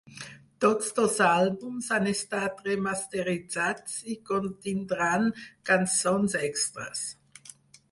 Tots dos àlbums han estat remasteritzats i contindran cançons extres.